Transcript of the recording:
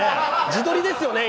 自撮りですよね？